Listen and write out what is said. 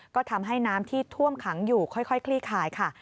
ก็ทำให้น้ำที่ท่วมขังอยู่ค่อยคลี่คายค่ะ